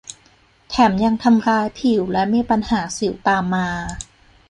แถมยังทำร้ายผิวและมีปัญหาสิวตามมา